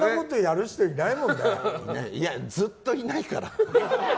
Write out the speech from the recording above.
いや、ずっといないから。